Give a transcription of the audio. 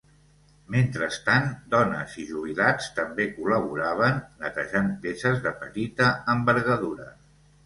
Mentrestant, dones i jubilats també col·laboraven netejant peces de petita envergadura.